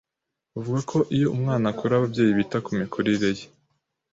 bavuga ko iyo umwana akura ababyeyi bita ku mikurire ye,